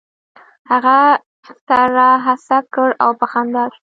هغه سر را هسک کړ او په خندا شو.